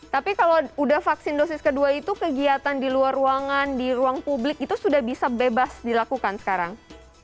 tapi kalau sudah vaksin dosis kedua itu kegiatan di luar ruangan di ruang publik itu sudah bisa bebas dilakukan sekarang